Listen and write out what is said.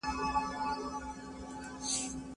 ټایروکسین د زړه ضربان او د بدن حرارت تنظیموي.